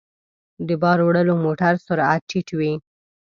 د بار وړلو موټر سرعت ټيټ وي.